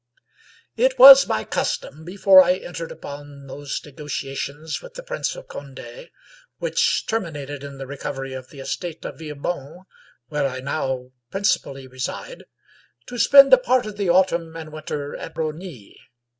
It was my custom, before I entered upon those negotia tions with the Prince of Conde which terminated in the recovery of the estate of Villebon, where I now principally reside, to spend a part of the autumn and winter at Rosny.